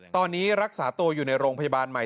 ตอนนี้รักษาตัวอยู่ในโรงพยาบาลใหม่